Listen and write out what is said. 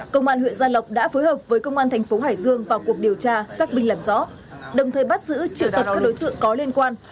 công an huyện gia lộc đã phối hợp với công an thành phố hải dương vào cuộc điều tra xác minh làm rõ đồng thời bắt giữ triệu tập các đối tượng có liên quan